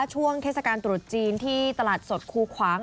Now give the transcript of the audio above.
ช่วงเทศกาลตรุษจีนที่ตลาดสดคูขวาง